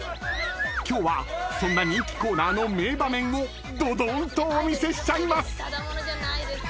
［今日はそんな人気コーナーの名場面をどどーんとお見せしちゃいます！］